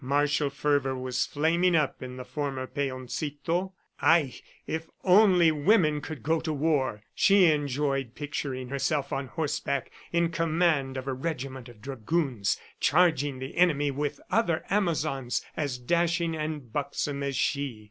Martial fervor was flaming up in the former Peoncito. Ay, if the women could only go to war! ... She enjoyed picturing herself on horseback in command of a regiment of dragoons, charging the enemy with other Amazons as dashing and buxom as she.